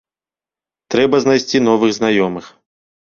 Трэба знайсці новых знаёмых.